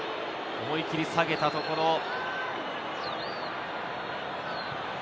思い切り下げたところ。